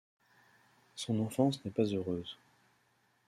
Son enfance n'est pas heureuse.